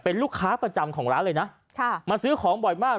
เป็นลูกค้าประจำของร้านเลยนะมาซื้อของบ่อยมาก